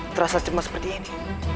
terasa cemas seperti ini